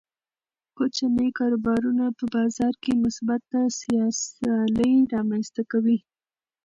کوچني کاروبارونه په بازار کې مثبته سیالي رامنځته کوي.